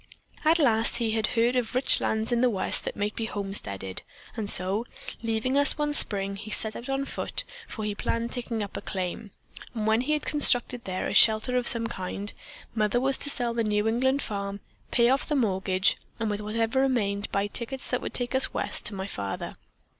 At last he heard of rich lands in the West that might be homesteaded and so, leaving us one spring, he set out on foot, for he planned taking up a claim, and when he had constructed there a shelter of some kind, Mother was to sell the New England farm, pay off the mortgage and with whatever remained buy tickets that would take us west to my father.